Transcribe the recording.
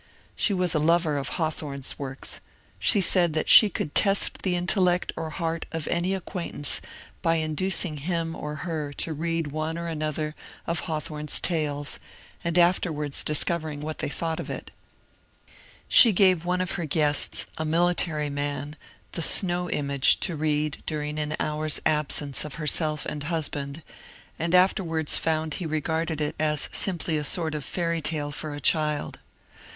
She was a lover of Hawthorne's works. She said that she could test the intellect or heart of any acquaintance by inducing him or her to read one or another of Hawthorne's tales, and afterwards discovering what they thought of it She gave one of her guests, a military man, *^ The Snow Image " to read during an hour's absence of herself and husband, and . afterwards found he regarded it as simply a sort of fairy tale \ for a child.